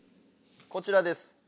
こちらです。